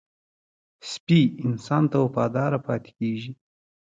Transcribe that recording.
سپي انسان ته وفاداره پاتې کېږي.